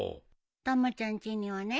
たまちゃんちにはね